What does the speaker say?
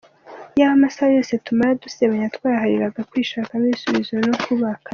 Iyaba amasaha yose tumara dusebanya twayahariraga kwishakamo ibisubizo no kubakana!